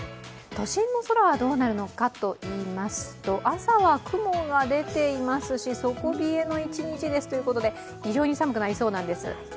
都心の空はどうなるのかといいますと、朝は雲が出ていますし、底冷えの一日ですということで非常に寒くなりそうなんです。